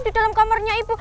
di dalam kamarnya ibu